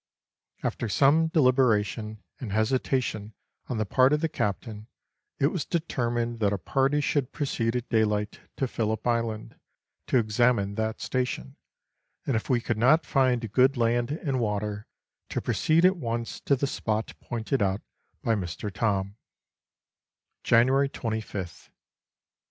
After some deliberation and hesitation on the part of the Captain, it was determined that a party should proceed at daylight to Phillip Island to examine that station, and if we could not find good land and water, to proceed at once to the spot pointed out by Mr. Thorn. January 2,5th.